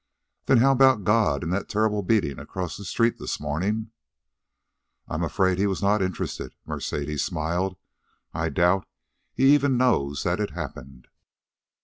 "Then how about God and that terrible beating across the street this morning?" "I'm afraid he was not interested," Mercedes smiled. "I doubt he even knows that it happened."